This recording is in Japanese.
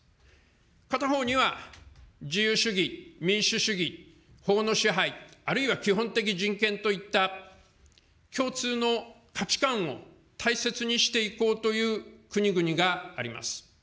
片方には、自由主義、民主主義、法の支配、あるいは基本的人権といった共通の価値観を大切にしていこうという国々があります。